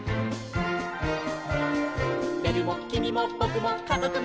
「べるもきみもぼくもかぞくも」